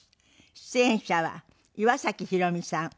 出演者は岩崎宏美さん